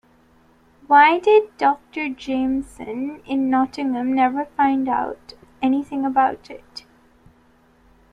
Why did Dr. Jameson in Nottingham never find out anything about it?